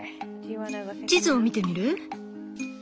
地図を見てみる？